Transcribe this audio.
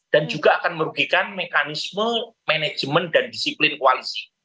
dan juga akan merugikan mekanisme manajemen dan disiplin koalisi